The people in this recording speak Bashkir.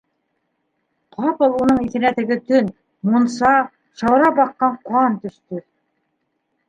- Ҡапыл уның иҫенә теге төн, мунса, шаурап аҡҡан ҡан төштө.